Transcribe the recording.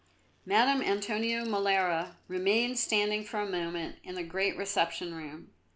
Madame Antonio Molara remained standing for a moment in the great reception room.